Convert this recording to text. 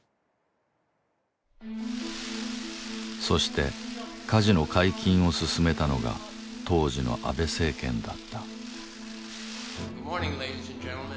そしてカジノ解禁を進めたのが当時の安倍政権だった。